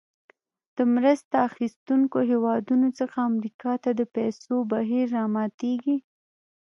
د مرسته اخیستونکو هېوادونو څخه امریکا ته د پیسو بهیر راماتیږي.